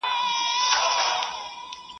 اوښ په غلبېل نه درنېږي.